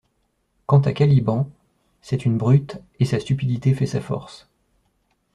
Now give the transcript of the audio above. Quant à Caliban, c'est une brute, et sa stupidité fait sa force.